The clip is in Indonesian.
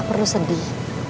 ga perlu sedih